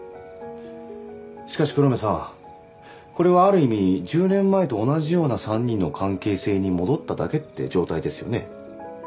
しかし黒目さんこれはある意味１０年前と同じような３人の関係性に戻っただけって状態ですよね